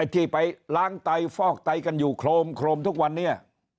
ที่ไปล้างไตฟอกไตกันอยู่โครมโครมทุกวันนี้